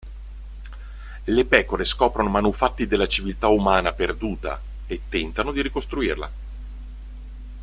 Le pecore scoprono manufatti della civiltà umana perduta e tentano di ricostruirla.